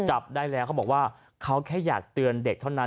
จับได้แล้วเขาบอกว่าเขาแค่อยากเตือนเด็กเท่านั้น